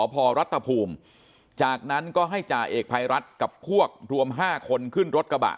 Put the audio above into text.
พอรัฐภูมิจากนั้นก็ให้จ่าเอกภัยรัฐกับพวกรวม๕คนขึ้นรถกระบะ